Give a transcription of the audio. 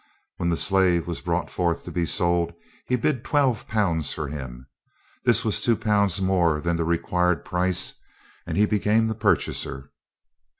When the slave was brought forth to be sold, he bid twelve pounds for him. This was two pounds more than the required price, and he became the purchaser.